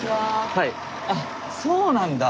あそうなんだ。